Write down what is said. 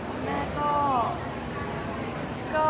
คุณแม่ครับคุณแม่ก็